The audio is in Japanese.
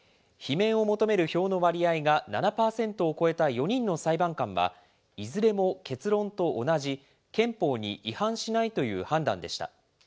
罷免を求める票の割合が７％を超えた４人の裁判官は、いずれも結論と同じ、憲法に違反しないという判断でした。